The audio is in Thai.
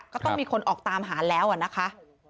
ก็ต้องมีคนออกตามหาแล้วนะคะ